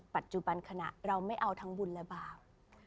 ปัจจุบันขณะเราไม่เอาทั้งบุญและบาป